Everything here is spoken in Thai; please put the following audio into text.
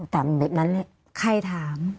ตามเด็กนั้นใครถาม